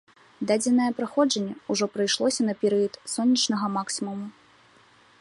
Дадзенае праходжанне ўжо прыйшлося на перыяд сонечнага максімуму.